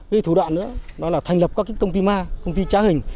cái thủ đoạn đó là thành lập các công ty ma công ty trá hình